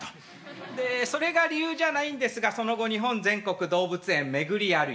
でそれが理由じゃないんですがその後日本全国動物園巡り歩いて。